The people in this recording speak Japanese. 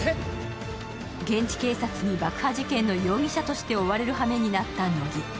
現地警察に爆破事件の容疑者として追われることになった乃木。